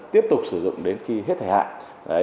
tiếp tục sử dụng đến khi hết thẻ hạ